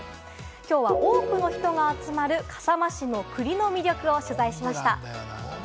きょうは多くの人が集まる笠間市の栗の魅力を取材しました。